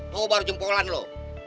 tuh baru jempolan lo